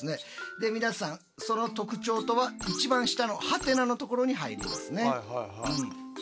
で皆さんその特徴とは一番下の「？」のところに入りますね。